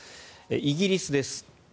イギリスです。